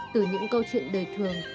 từ những câu chuyện đời thường